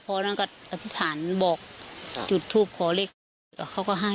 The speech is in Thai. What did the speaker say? เพราะนั่นก็อธิษฐานบอกจุดทูบขอเลี้ยงเขาก็ให้